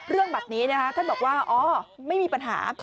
เรื่องแบบนี้ท่านบอกว่าอ๋อไม่มีปัญหา